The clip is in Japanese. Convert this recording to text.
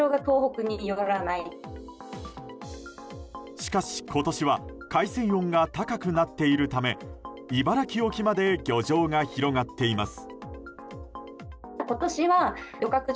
しかし今年は海水温が高くなっているため茨城沖まで漁場が広がっています。